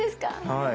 はい。